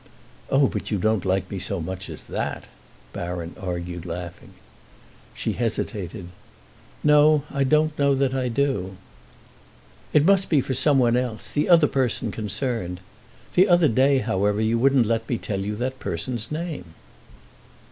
"Oh, but you don't like me so much as that," Baron argued, laughing. She hesitated. "No, I don't know that I do." "It must be for someone else—the other person concerned. The other day, however, you wouldn't let me tell you that person's name."